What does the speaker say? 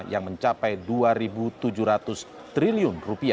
yang mencapai rp dua tujuh ratus triliun